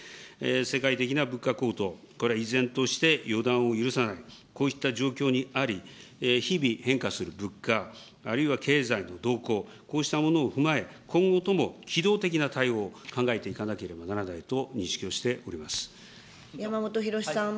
世界的な物価高騰、これ、依然として予断を許さない、こういった状況にあり、日々変化する物価、あるいは経済の動向、こうしたものを踏まえ、今後とも機動的な対応を考えていかなければならないと認識をして山本博司さん。